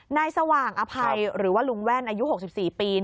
นายสว่างอภัยหรือว่าลุงแว่นอายุ๖๔ปี